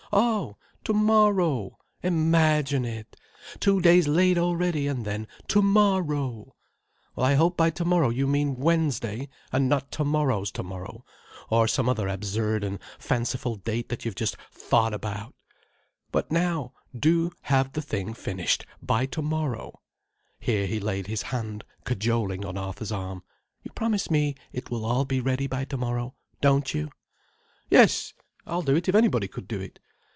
Oh! Tomorrow! Imagine it! Two days late already, and then tomorrow! Well I hope by tomorrow you mean Wednesday, and not tomorrow's tomorrow, or some other absurd and fanciful date that you've just thought about. But now, do have the thing finished by tomorrow—" here he laid his hand cajoling on Arthur's arm. "You promise me it will all be ready by tomorrow, don't you?" "Yes, I'll do it if anybody could do it."